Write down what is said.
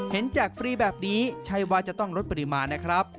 แจกฟรีแบบนี้ใช่ว่าจะต้องลดปริมาณนะครับ